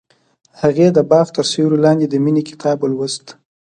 هغې د باغ تر سیوري لاندې د مینې کتاب ولوست.